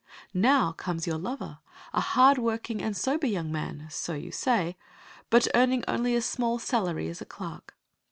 Now comes your lover, a hard working and sober young man, so you say, but earning only a small salary as a clerk.